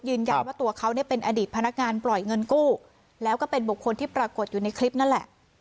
ตัวเขาเนี่ยเป็นอดีตพนักงานปล่อยเงินกู้แล้วก็เป็นบุคคลที่ปรากฏอยู่ในคลิปนั่นแหละ